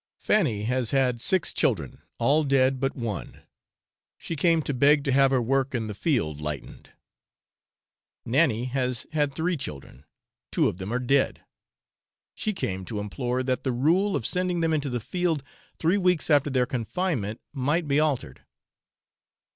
Fanny has had six children, all dead but one. She came to beg to have her work in the field lightened. Nanny has had three children, two of them are dead; she came to implore that the rule of sending them into the field three weeks after their confinement might be altered.